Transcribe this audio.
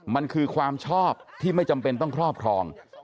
มันคือความชอบที่ไม่จำเป็นต้องครอบครอง